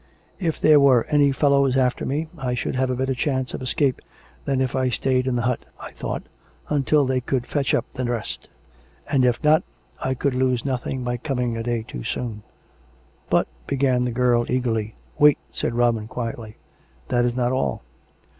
If there were any fellows after me, I should have a better chance of escape than if I stayed in the hut, I thought, until they could fetch up the rest; and, if not, I could lose nothing by coming a day too soon." " But " began the girl eagerly. " Wait," said Robin quietly. " That is not all.